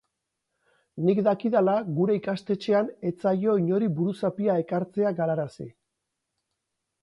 Nik dakidala gure ikastetxean ez zaio inori buruzapia ekartzea galarazi.